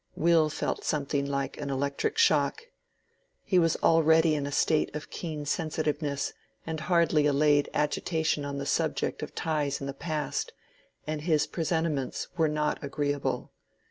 Will felt something like an electric shock. He was already in a state of keen sensitiveness and hardly allayed agitation on the subject of ties in the past, and his presentiments were not agreeable.